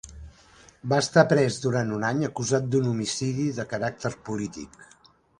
Va estar pres durant un any acusat d'un homicidi de caràcter polític.